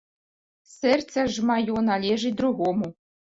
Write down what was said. Сэрца ж маё належыць другому.